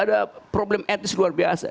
ada problem etis luar biasa